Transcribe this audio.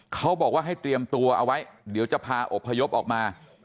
เขาบอกว่าให้เตรียมตัวเอาไว้เดี๋ยวจะพาอบพยพออกมา